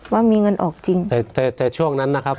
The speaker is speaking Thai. ว่ามีเงินออกจริงแต่แต่ช่วงนั้นนะครับ